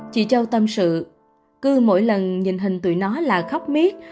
chị châu tâm sự cứ mỗi lần nhìn hình tụi nó là khóc miếc